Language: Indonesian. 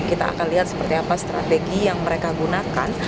kita akan lihat seperti apa strategi yang mereka gunakan